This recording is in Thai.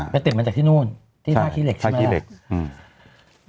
ไปเต็มมาจากที่นู่นที่ท่าขี้เหล็กใช่ไหมครับ